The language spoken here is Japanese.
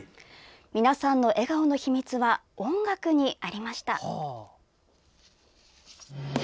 皆さんの笑顔の秘密は音楽にありました。